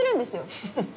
フフフ。